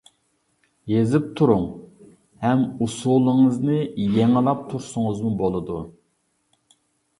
يېزىپ تۇرۇڭ ھەم ئۇسۇلىڭىزنى يېڭىلاپ تۇرسىڭىزمۇ بولىدۇ.